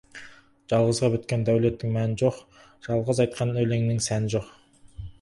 Жалғызға біткен дәулеттің мәні жоқ, жалғыз айтқан өлеңнің сәні жоқ.